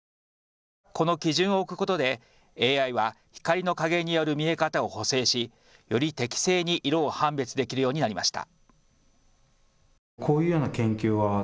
この基準を置くことでＡＩは光の加減による見え方を補正し、より適正に色を判別できるようになりました。